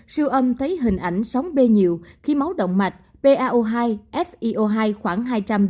siêu âm thấy hình ảnh sóng b nhiều khí máu động mạch pao hai fio hai khoảng hai trăm linh ba trăm linh